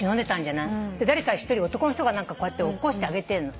誰か１人男の人がこうやって起こしてあげてんの。